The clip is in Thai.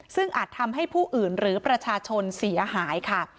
ซึ่งอาจทำให้ผู้อื่นหรือประชาชนเสียหายค่ะ